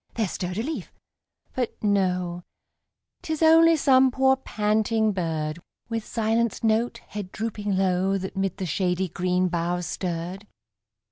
there stirred a leaf, but no, Tis only some poor, panting bird, With silenced note, head drooping low, That 'mid the shady green boughs stirred.